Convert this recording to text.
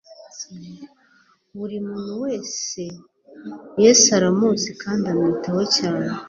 Buri muntu wese Yesu aramuzi kandi amwitaho cyane